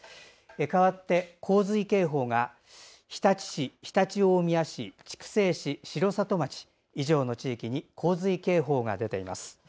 かわって洪水警報が日立市、常陸大宮市筑西市、城里町、以上の地域に洪水警報が出ています。